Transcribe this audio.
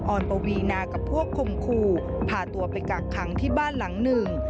อนปวีนากับพวกคมคู่พาตัวไปกักขังที่บ้านหลังหนึ่ง